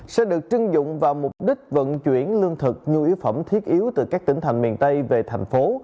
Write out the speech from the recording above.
sẽ được trưng dụng vào mục đích vận chuyển lương thực nhu yếu phẩm thiết yếu từ các tỉnh thành miền tây về thành phố